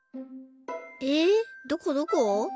えっどこどこ？